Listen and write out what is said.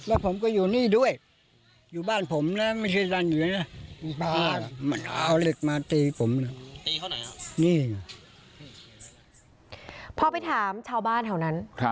ทุกคนพูดเป็นเสียงอะไรนะ